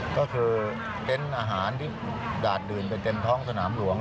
ก็คือเต็นต์อาหารที่ดาดดื่นไปเต็มท้องสนามหลวง